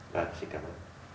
vâng xin cảm ơn